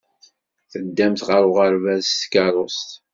Teddamt ɣer uɣerbaz s tkeṛṛust.